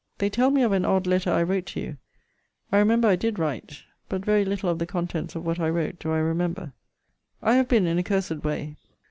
They tell me of an odd letter I wrote to you.* I remember I did write. But very little of the contents of what I wrote do I remember. * See his delirious Letter, No. XXIII. I have been in a cursed way.